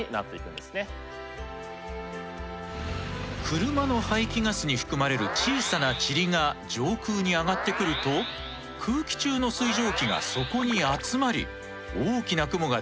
車の排気ガスに含まれる小さなちりが上空に上がってくると空気中の水蒸気がそこに集まり大きな雲ができやすくなるんだ。